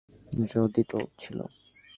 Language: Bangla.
সেটা অতীত ছিলো।